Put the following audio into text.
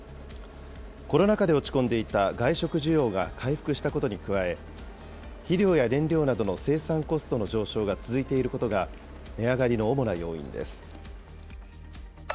コロナ禍で落ち込んでいた外食需要が回復したことに加え、肥料や燃料などの生産コストの上昇が続いていることが、値上がりの主な要因です。